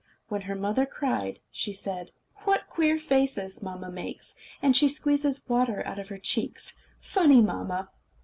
When her mother cried, she said: "What queer faces mamma makes! And she squeezes water out of her cheeks! Funny mamma!"